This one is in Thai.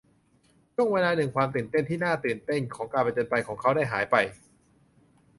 ช่วงเวลาหนึ่งความตื่นเต้นที่น่าตื่นเต้นของการผจญภัยของเขาได้หายไป